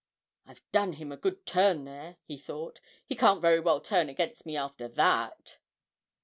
'I've done him a good turn there,' he thought; 'he can't very well turn against me after that!'